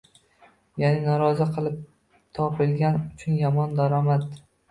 yaʼni norozi qilib topilgani uchun – yomon daromad.